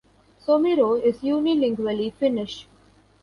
Somero is unilingually Finnish.